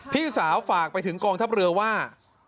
พี่สาวฝากไปถึงกองทัพเรือว่า